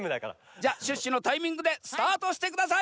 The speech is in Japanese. じゃシュッシュのタイミングでスタートしてください！